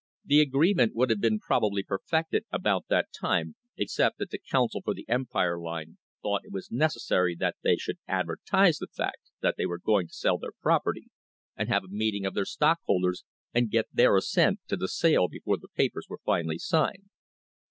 The agree ment would have been probably perfected about that time except that the counsel for the Empire Line thought it was necessary that they should advertise the fact that they were going to sell their property, and have a meeting of their stockholders, and get their assent to the sale before the papers were finally signed."